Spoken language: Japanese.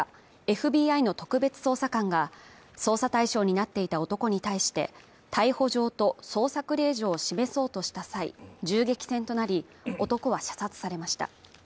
ＦＢＩの特別捜査官が捜査対象になっていた男に対して逮捕状と捜索令状を示そうとした際銃撃戦となり男は射殺されました